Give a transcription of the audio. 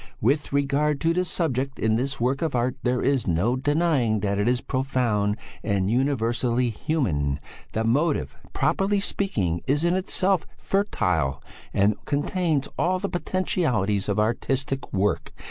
With regard to the subject in this work of art there is no denying that it is profound and universally human; the motive, properly speaking, is in itself fertile, and contains all the potentialities of artistic work.